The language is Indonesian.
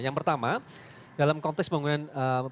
yang pertama dalam konteks pembangunan